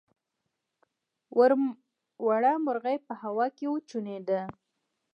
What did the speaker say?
وړه مرغۍ په هوا کې وچوڼېده.